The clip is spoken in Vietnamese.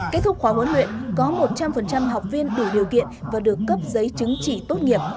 kết thúc khóa huấn luyện có một trăm linh học viên đủ điều kiện và được cấp giấy chứng chỉ tốt nghiệp